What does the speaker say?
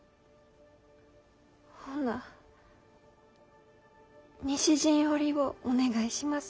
ほな西陣織をお願いします。